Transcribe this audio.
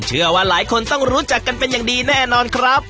เชื่อว่าหลายคนต้องรู้จักกันเป็นอย่างดีแน่นอนครับ